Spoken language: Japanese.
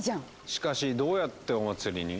しかしどうやってお祭りに？